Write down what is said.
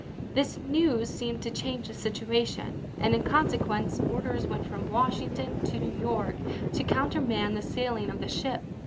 This news seemed to change the situa tion, and in consequence orders went from Wash ington to New York to countermand the sailing of the ship.